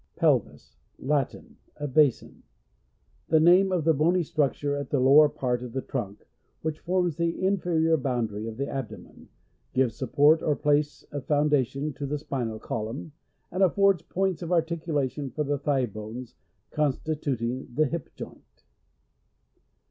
Pelvis. — Latin. A basin. The name of the bony structure at the lower part of the trunk, which forms the inferior boundary of the abdomen, gives support or place of foundation to the spinal column, and affords points of articulation for the thigh bones, constituting the hip joint.